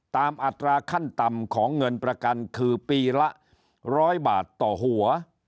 อัตราขั้นต่ำของเงินประกันคือปีละ๑๐๐บาทต่อหัว